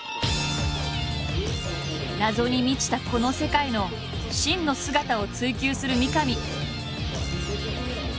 謎に満ちたこの世界の真の姿を追求する三上。